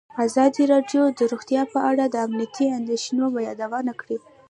ازادي راډیو د روغتیا په اړه د امنیتي اندېښنو یادونه کړې.